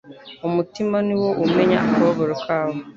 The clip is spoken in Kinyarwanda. Umutima ni wo umenya akababaro kawo